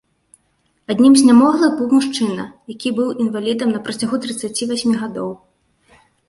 Аднім з нямоглых быў мужчына, які быў інвалідам на працягу трыццаці васьмі гадоў.